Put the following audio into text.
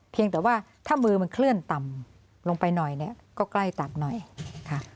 เพียงแต่ว่าถ้ามือมันเคลื่อนต่ำลงไปหน่อยเนี่ยก็ใกล้ตักหน่อยค่ะ